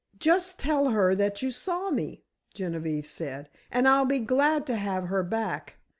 "Just tell her that you saw me," Genevieve said, "and I'll be glad to have her back.